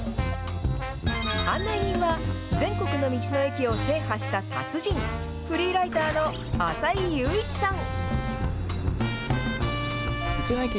案内人は、全国の道の駅を制覇した達人、フリーライターの浅井佑一さん。